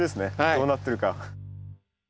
どうなってるか。